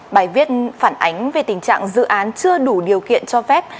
bài viết phản ánh về tình trạng dự án chưa đủ điều kiện cho phép